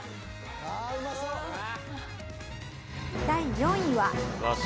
第４位は。